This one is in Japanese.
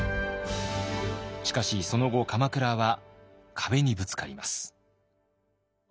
しかしその後鎌倉は壁にぶつかります。